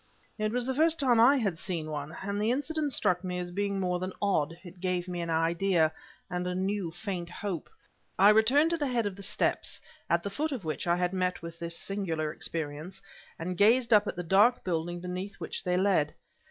It was the first time I had seen one, and the incident struck me as being more than odd; it gave me an idea, and a new, faint hope. I returned to the head of the steps, at the foot of which I had met with this singular experience, and gazed up at the dark building beneath which they led.